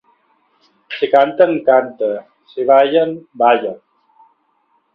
Si canten, canta; si ballen, balla.